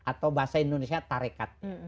atau bahasa indonesia tarikat